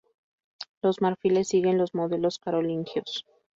Los marfiles siguen los modelos carolingios.